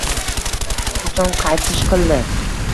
Qachon qaytish qildi